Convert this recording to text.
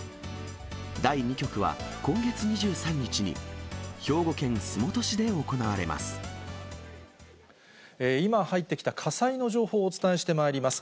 第２局は今月２３日に、今入ってきた火災の情報をお伝えしてまいります。